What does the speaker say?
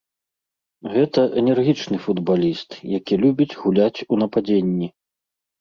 Гэта энергічны футбаліст, які любіць гуляць у нападзенні.